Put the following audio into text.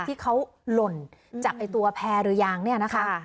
ที่เขาหล่นจากตัวแพร่หรือยางเนี่ยนะคะ